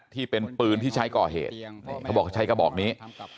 ที่เป็นปืนที่ใช้ก่อเหตุเขาบอกเขาใช้กระบอกนี้